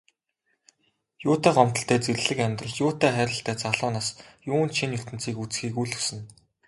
Юутай гомдолтой зэрлэг амьдрал, юутай хайрлалтай залуу нас, юунд шинэ ертөнцийг үзэхийг үл хүснэ.